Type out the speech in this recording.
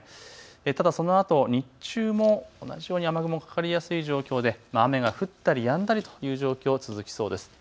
ただそのあと日中も同じように雨雲かかりやすい状況で雨が降ったりやんだりという状況、続きそうです。